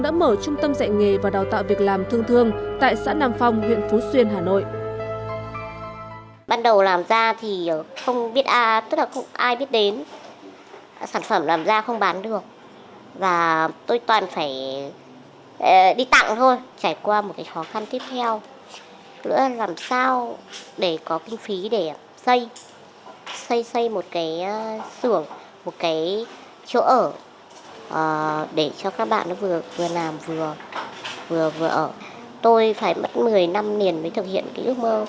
đã mở trung tâm dạy nghề và đào tạo việc làm thương thương tại xã nam phong huyện phú xuyên hà nội